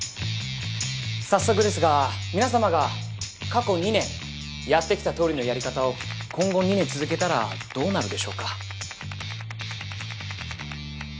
早速ですが皆様が過去２年やってきたとおりのやり方を今後２年続けたらどうなるでしょうか？